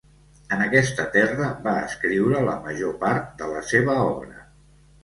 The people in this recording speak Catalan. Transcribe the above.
En aquesta terra va escriure la major part de la seva obra.